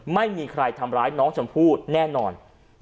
ไม่มีใครทำร้ายน้องชมพู่แน่นอน